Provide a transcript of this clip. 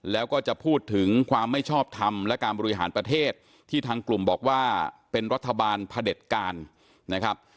แล้วก็จะพูดถึงความไม่ชอบทำและการบริหารประเทศที่ทางกลุ่มบอกว่าเป็นรัฐบาลพระเด็จการนะครับ